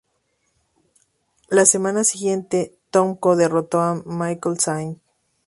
La semana siguiente, Tomko derrotó a Michael Sain.